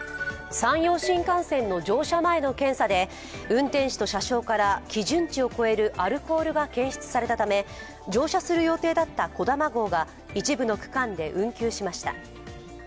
山陽新幹線の乗車前の検査で運転士と車掌から基準値を超えるアルコールが検出されたため乗車する予定だったこだま号が一部の区間で運休しました。